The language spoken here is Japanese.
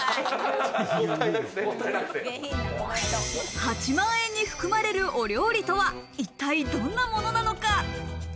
８万円に含まれるお料理とは一体どんなものなのか？